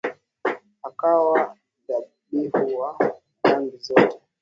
Akawa dhabihu kwa dhambi zote.